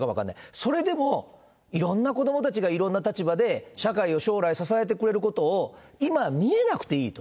それでもいろんな子どもたちがいろんな立場で社会を将来支えてくれることを今、見えなくていいと。